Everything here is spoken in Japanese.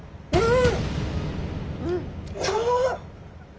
うん！